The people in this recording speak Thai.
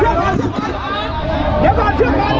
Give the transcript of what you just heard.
สวัสดีครับทุกคน